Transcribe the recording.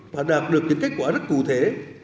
và đạt được những kết quả rất cụ thể